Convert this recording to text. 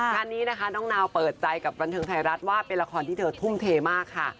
งานนี้นะคะน้องนาวเปิดใจกับบันเทิงไทยรัฐว่าเป็นละครที่เธอทุ่มเทมากค่ะ